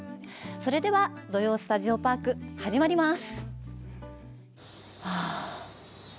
それでは「土曜スタジオパーク」始まります。